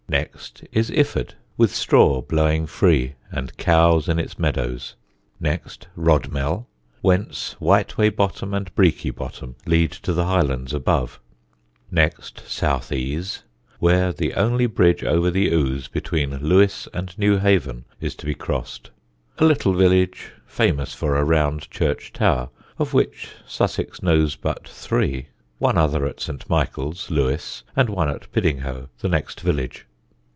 Next is Iford, with straw blowing free and cows in its meadows; next Rodmell, whence Whiteway Bottom and Breaky Bottom lead to the highlands above: next Southease, where the only bridge over the Ouse between Lewes and Newhaven is to be crossed: a little village famous for a round church tower, of which Sussex knows but three, one other at St. Michael's, Lewes, and one at Piddinghoe, the next village.